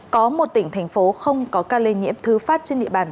có một tỉnh thành phố không có ca lây nhiễm thứ phát trên địa bàn